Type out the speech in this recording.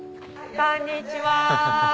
こんにちは！